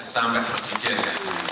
sampai harus dijadi